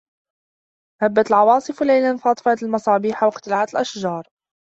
هَبَّتْ الْعَوَاصِفُ لَيْلًا فَأَطْفَأْتِ الْمَصَابِيحَ وَاِقْتَلَعْتِ الْأَشْجَارَ.